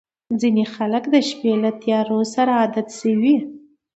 • ځینې خلک د شپې له تیارو سره عادت شوي.